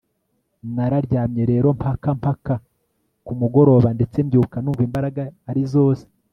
nararyamye rero mpaka mpaka kumugoroba ndetse mbyuka numva imbaraga ari zose